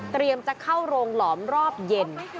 เตรียมจะเข้าโรงหลอมรอบเย็น